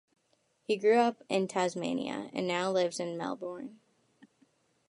He grew up in Tasmania, and now lives in Melbourne.